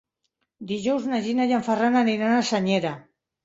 Dijous na Gina i en Ferran aniran a Senyera.